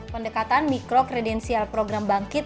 pendekatan mikrokredensial program bangkit